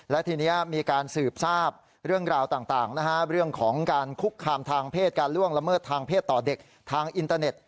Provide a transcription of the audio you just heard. และทีนี้มีการสืบทราบเรื่องราวต่างเรื่องของการคุกคามทางเพศการล่วงละเมิดทางเพศต่อเด็กทางอินเตอร์เน็ต